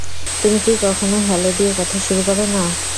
তুমি কি কখনো হ্যালো দিয়ে কথা শুরু করো না?